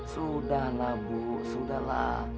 sudahlah bu sudahlah